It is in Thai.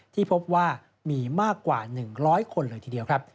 ที่พบว่ามีมากกว่า๑๐๐คนเลยทีเดียวครับ